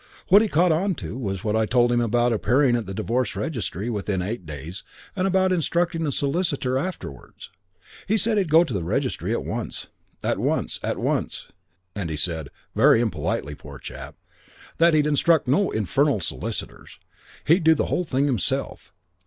"What he caught on to was what I told him about appearing at the Divorce Registry within eight days and about instructing a solicitor afterwards. He said he'd go to the Registry at once at once, at once, at once! and he said, very impolitely, poor chap, that he'd instruct no infernal solicitors; he'd do the whole thing himself.